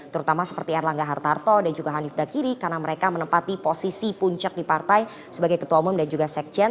terutama seperti erlangga hartarto dan juga hanif dakiri karena mereka menempati posisi puncak di partai sebagai ketua umum dan juga sekjen